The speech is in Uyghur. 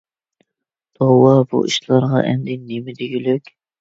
توۋا، بۇ ئىشلارغا ئەمدى نېمە دېگۈلۈك؟